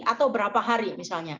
atau berapa hari misalnya